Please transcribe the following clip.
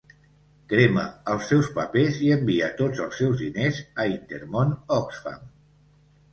Crema els seus papers i envia tots els seus diners a Intermón Oxfam.